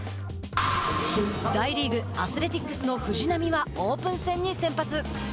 大リーグ、アスレティックスの藤浪は、オープン戦に先発。